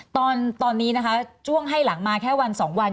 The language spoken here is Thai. ตอนในตอนนี้นะครับช่วงให้หลังมาแค่วันสองวัน